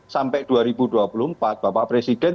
sampai dua ribu dua puluh empat bapak presiden